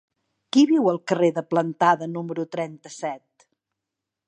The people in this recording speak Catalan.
Qui viu al carrer de Plantada número trenta-set?